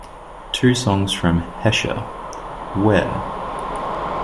Two songs from "Hesher" - "Where?